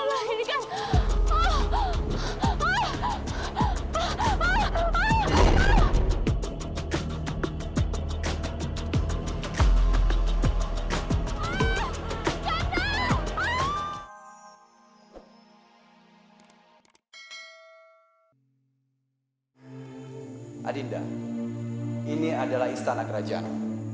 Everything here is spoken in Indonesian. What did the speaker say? adinda ini adalah istana kerajaan